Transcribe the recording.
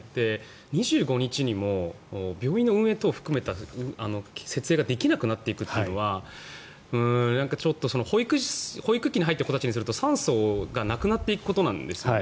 ２５日にも病院の運営等を含めた設営ができなくなっていくというのはちょっと保育器に入った子たちにすると酸素がなくなっていくことなんですよ。